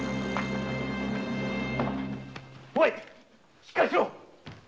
おいしっかりしろ。